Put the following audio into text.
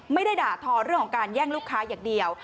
ไม่ได้ด่าทอเรื่องของการแย่งลูกค้าอย่างเดียว